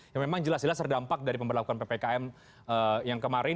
yang memang jelas jelas terdampak dari pemberlakuan ppkm yang kemarin